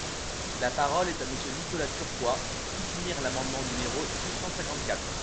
La parole est à Monsieur Nicolas Turquois, pour soutenir l’amendement numéro six cent cinquante-quatre.